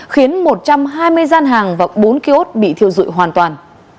khiến một trăm hai mươi gian hàng và bốn kiosk bị thiêu dụi hoàn toàn